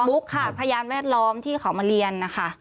พยายามแวดล้อมที่เขามาเรียนค่ะ